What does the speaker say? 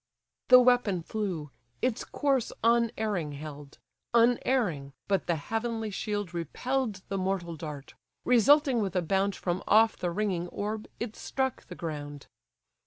The weapon flew, its course unerring held, Unerring, but the heavenly shield repell'd The mortal dart; resulting with a bound From off the ringing orb, it struck the ground.